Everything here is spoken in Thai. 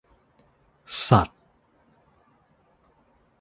สัตว์